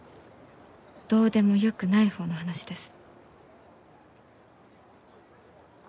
どうでもよくない方の話です。